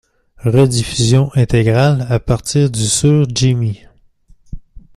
Rediffusion intégrale à partir du sur Jimmy.